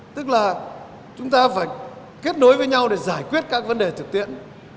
tức là chúng ta phải kết nối với nhau để giải quyết các vấn đề thực tiễn